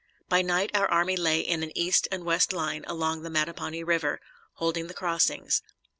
By night our army lay in an east and west line along the Mattapony River, holding the crossings.